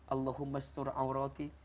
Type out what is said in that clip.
allahumma astur awrati